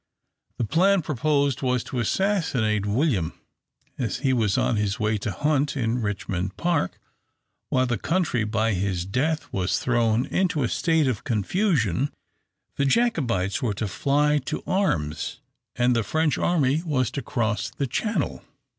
The plan proposed was to assassinate William as he was on his way to hunt in Richmond Park. While the country by his death was thrown into a state of confusion, the Jacobites were to fly to arms and the French army was to cross the channel.